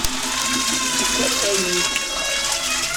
Ččet akk ayen i tebɣam.